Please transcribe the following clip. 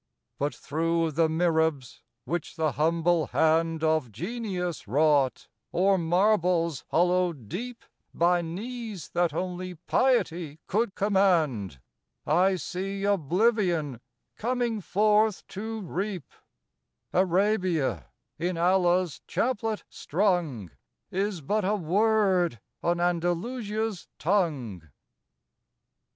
But through the mihrabs which the humble hand Of genius wrought, o'er marbles hollowed deep By knees that only Piety could command, I see Oblivion coming forth to reap;— Arabia, in Allah's chaplet strung, Is but a word on Andalusia's tongue.